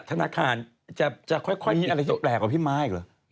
ธนาคารจะค่อยมีอะไรแปลกกว่าพี่ม้าอีกเหรอ